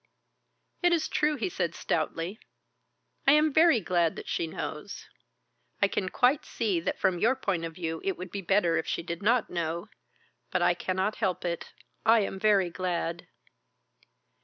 "It is true," he said stoutly. "I am very glad that she knows. I can quite see that from your point of view it would be better if she did not know. But I cannot help it. I am very glad."